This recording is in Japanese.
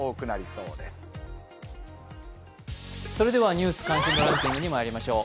「ニュース関心度ランキング」にまいりましょう。